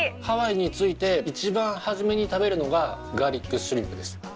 ハワイに着いて一番始めに食べるのがガーリックシュリンプです。